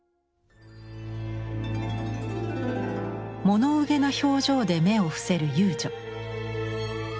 物憂げな表情で目を伏せる遊女。